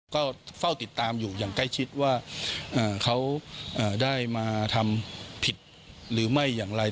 ก็เฝ้าติดตามอยู่อย่างใกล้ชิดว่าเขาได้มาทำผิดหรือไม่อย่างไร